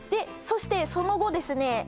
そしてその後ですね